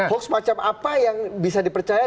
hoax macam apa yang bisa dipercaya